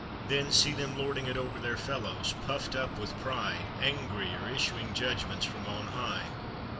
Then see them lording it over their fellows, puffed up with pride, angry, or issuing judgments from on high!